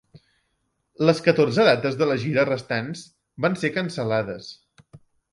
Les catorze dates de la gira restants van ser cancel·lades.